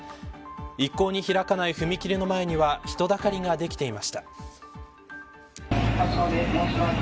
一向に開かない踏切の前には人だかりができていました。